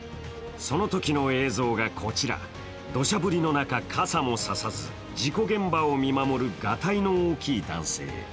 そのときの映像がこちら、どしゃ降りの中、傘も差さず、事故現場を見守るガタイの大きい男性。